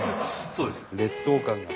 そうですね。